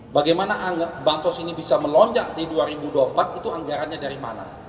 bagaimana bansos ini bisa melonjak di dua ribu dua puluh empat itu anggarannya dari mana